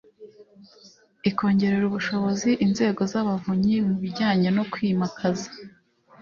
i kongerera ubushobozi inzego z abavunyi mu bijyanye no kwimakaza